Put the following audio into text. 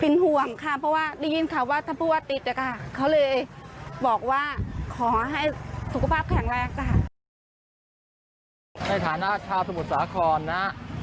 ในฐานะชาวสวทสาขรนะ